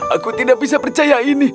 aku tidak bisa percaya ini